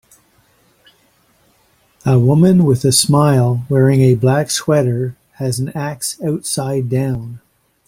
A woman with a smile wearing a black sweater has an axe outside down.